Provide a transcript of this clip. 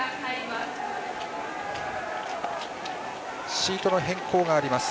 シートの変更があります。